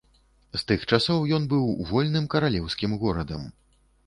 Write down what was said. З тых часоў ён быў вольным каралеўскім горадам.